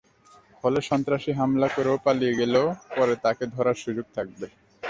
ফলে সন্ত্রাসী হামলা করে পালিয়ে গেলেও পরে তাকে ধরার সুযোগ থাকবে।